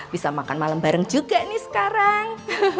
bisa makan malam bareng juga nih sekarang